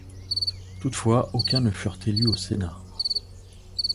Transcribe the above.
Toutefois aucun ne furent élus au Sénat.